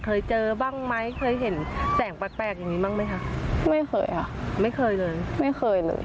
เคยเจอบ้างไหมเคยเห็นแสงแปลกแปลกอย่างนี้บ้างไหมคะไม่เคยค่ะไม่เคยเลยไม่เคยเลย